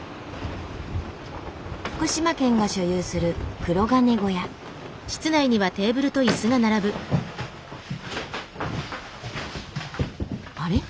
福島県が所有するあれ？